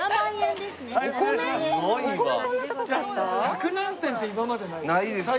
百何点って今までないよね。